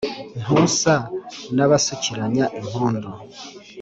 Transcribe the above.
Ntusa n’abasukiranya impundu